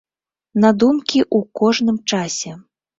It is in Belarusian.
На думкі ў кожным часе!